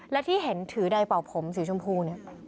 และที่เห็นถือใดเป๋าผมสีชมพู